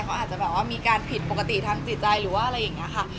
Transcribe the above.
เขาอาจจะแบบว่ามีการผิดปกติทางจิตใจหรือว่าอะไรอย่างนี้ค่ะ